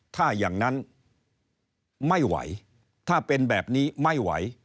ถ้าอย่างนั้นไม่ไหวถ้าเป็นแบบนี้ไม่ไหว